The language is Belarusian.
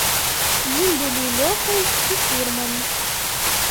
З імі былі лёкай і фурман.